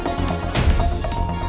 mbak andin mau ke panti